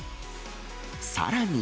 さらに。